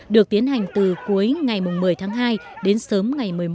được tiến hành từ cuối ngày một mươi tháng hai đến sớm